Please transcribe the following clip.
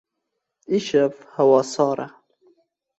Îşev hewa sar e.